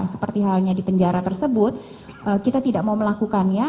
seperti halnya di penjara tersebut kita tidak mau melakukannya